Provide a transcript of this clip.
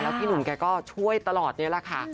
พี่หนุ่มแกก็ช่วยตลอดนี่แหละค่ะ